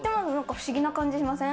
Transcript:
不思議な感じしません？